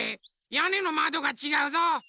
やねのまどがちがうぞ！